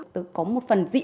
tức có một phần dị